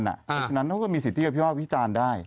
ฉะนั้นเขาก็มีสิทธิว่าพี่ว่าวิจารณ์ได้